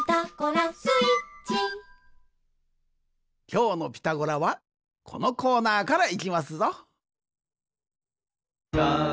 きょうの「ピタゴラ」はこのコーナーからいきますぞ！